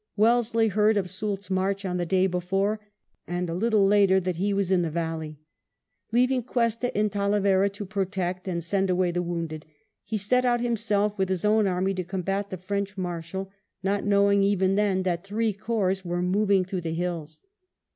Wellesley heard of Soult's march on the day before, and a little later that he was in the valley. Leaving Cuesta in Talavera to protect arid send away the wounded, he set out himself with his own army to combat the French Marshal, not knowing even then that three corps were moving through the hills.